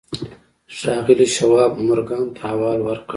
ښاغلي شواب مورګان ته احوال ورکړ.